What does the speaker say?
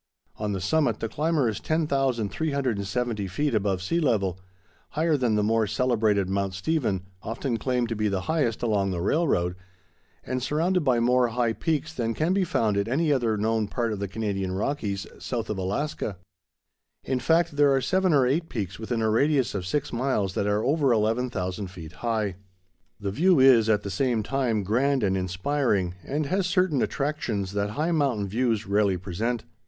On the summit, the climber is 10,370 feet above sea level,—higher than the more celebrated Mount Stephen, often claimed to be the highest along the railroad,—and surrounded by more high peaks than can be found at any other known part of the Canadian Rockies, south of Alaska. In fact there are seven or eight peaks within a radius of six miles that are over 11,000 feet high. The view is, at the same time, grand and inspiring, and has certain attractions that high mountain views rarely present.